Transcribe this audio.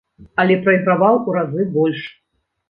Але прайграваў у разы больш.